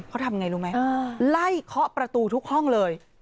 เขาทำไงรู้ไหมไล่เคาะประตูทุกห้องเลย